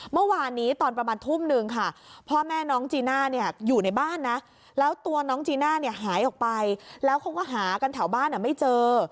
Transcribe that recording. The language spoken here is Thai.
เมื่อวานนี้ตอนประมาณทุ่มนึงค่ะพ่อแม่น้องจีน่าเนี่ยอยู่ในบ้านนะแล้วตัวน้องจีน่าเนี่ยหายออกไปแล้วเขาก็หากันแถวบ้านไม่เจอ